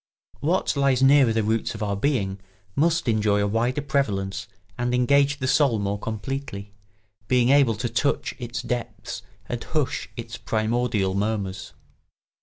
What lies nearer the roots of our being must needs enjoy a wider prevalence and engage the soul more completely, being able to touch its depths and hush its primordial murmurs.